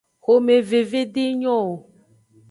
Xomeveve denyo o.